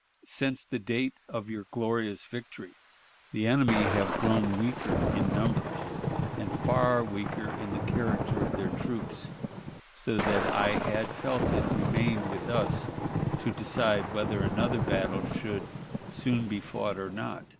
Since the date of your glorious victory the enemy have grown weaker in numbers, and far weaker in the character of their troops, so that I had felt it remained with us to decide whether another battle should soon be fought or not.